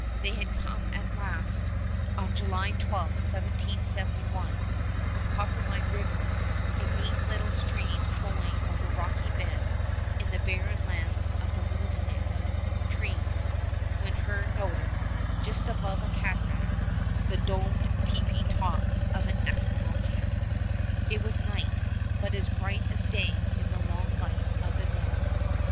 They had come at last, on July 12, 1771, on Coppermine River, a mean little stream flowing over rocky bed in the Barren Lands of the Little Sticks (Trees), when Hearne noticed, just above a cataract, the domed tepee tops of an Eskimo camp. It was night, but as bright as day in the long light of the North.